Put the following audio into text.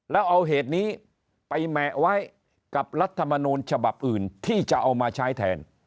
แล้วเอาเหตุนี้ไปแหมะไว้กับรัฐมนูลฉบับอื่นที่จะเอามาใช้แทน